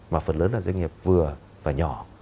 mà phần lớn là doanh nghiệp vừa và nhỏ